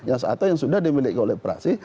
atau yang sudah dimiliki oleh praksi